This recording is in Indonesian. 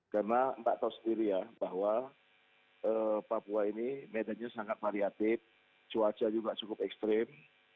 karena mbak tahu sendiri ya bahwa papua ini medannya sangat variatif cuaca juga cukup ekstrim